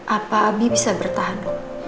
apa abi bisa bertahan